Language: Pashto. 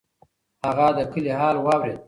هغه د کلي حال واورېد.